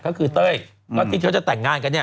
ก็คือเต้ยก็ที่เขาจะแต่งงานกันเนี่ย